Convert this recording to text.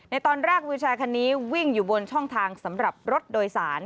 ในตอนแรกผู้ชายคนนี้วิ่งอยู่บนช่องทางสำหรับรถโดยสาร